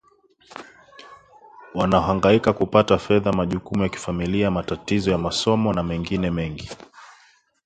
wanaohangaika kupata fedha majukumu ya kifamilia matatizo ya masomo na mengine mengi